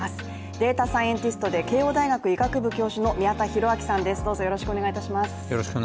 データサイエンティストで慶応大学医学部教授の宮田裕章さんです。